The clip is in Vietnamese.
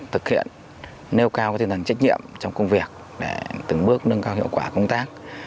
thực hiện nêu cao tinh thần trách nhiệm trong công việc để từng bước nâng cao hiệu quả công tác